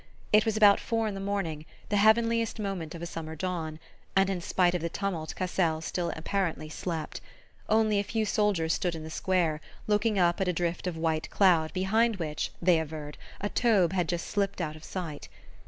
It was about four in the morning, the heavenliest moment of a summer dawn, and in spite of the tumult Cassel still apparently slept. Only a few soldiers stood in the square, looking up at a drift of white cloud behind which they averred a Taube had just slipped out of sight.